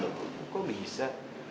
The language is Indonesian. belum kok bisa